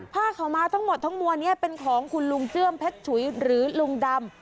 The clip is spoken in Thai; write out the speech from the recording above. ผ้าขาวม้าทั้งหมดทั้งมวลนี้เป็นของคุณลุงเจื้อมเพชรฉุยหรือลุงดำ